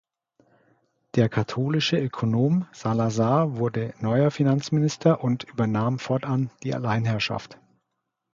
Der katholische Ökonom Salazar wurde neuer Finanzminister und übernahm fortan die Alleinherrschaft.